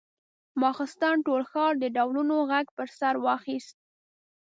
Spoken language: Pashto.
ماخستن ټول ښار د ډولونو غږ پر سر واخيست.